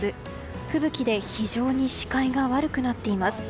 吹雪で非常に視界が悪くなっています。